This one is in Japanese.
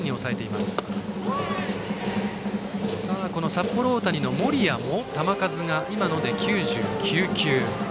札幌大谷の森谷も球数が今ので９９球。